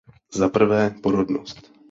Za prvé, porodnost.